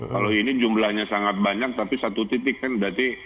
kalau ini jumlahnya sangat banyak tapi satu titik kan berarti